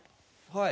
はい。